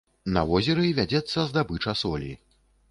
На возеры вядзецца здабыча солі.